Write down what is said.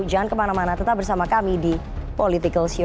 jangan kemana mana tetap bersama kami di political show